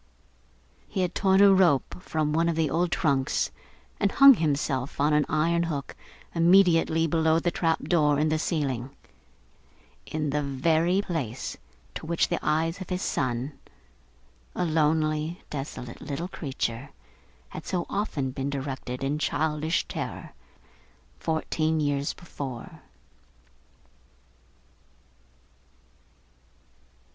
He had torn a rope from one of the old trunks, and hung himself on an iron hook immediately below the trap door in the ceiling in the very place to which the eyes of his son, a lonely, desolate, little creature, had so often been directed in childish terror, fourteen years before.